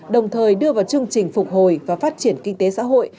đồng thời đưa vào chương trình phục hồi và phát triển kinh tế xã hội